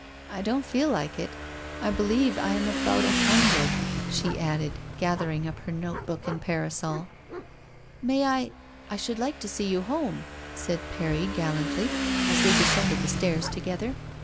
I don't feel like it. I believe I'm about a hundred," she added, gathering up her note book and parasol. " May I — I should like to see you home ?" said Perry gallantly, as they descended the stairs together.